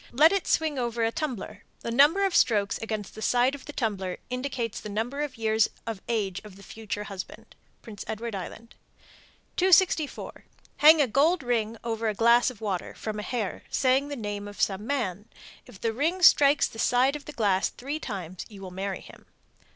Let it swing over a tumbler. The number of strokes against the side of the tumbler indicates the number of years of age of the future husband. Prince Edward Island. 264. Hang a gold ring over a glass of water, from a hair, saying the name of some man. If the ring strikes the side of the glass three times you will marry him.